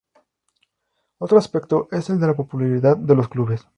Otro aspecto es el de la popularidad de los clubes.